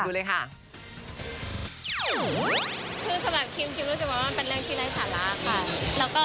สำหรับคิมคิมรู้สึกว่าเป็นอะไรที่ไร้สาราค่ะ